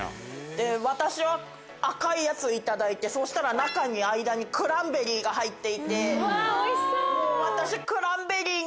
私は赤いやつをいただいてそしたら中に間にクランベリーが入っていて。